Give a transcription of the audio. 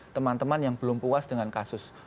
teman teman yang belum puas dengan kasus